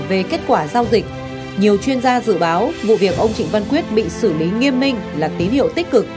về kết quả giao dịch nhiều chuyên gia dự báo vụ việc ông trịnh văn quyết bị xử lý nghiêm minh là tín hiệu tích cực